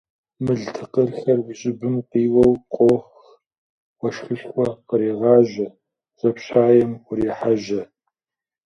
Мыл тыкъырхэр уи щӀыбым къиуэу къох, уэшхышхуэ кърегъажьэ, жьапщаем урехьэжьэ.